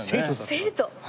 生徒。